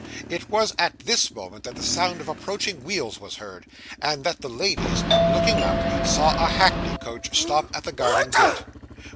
It was at this moment, that the sound of approaching wheels was heard, and that the ladies, looking up, saw a hackney coach stop at the garden gate.